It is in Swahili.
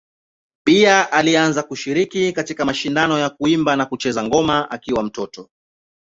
Pia alianza kushiriki katika mashindano ya kuimba na kucheza ngoma akiwa mtoto.